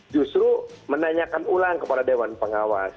justru menanyakan ulang kepada dewan pengawas